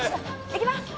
いきます！